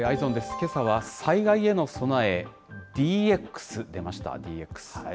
けさは災害への備え、ＤＸ、出ました、ＤＸ。